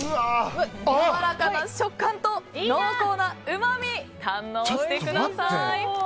やわらかな食感と濃厚なうまみ堪能してください。